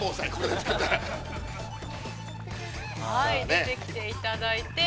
◆出てきていただいて。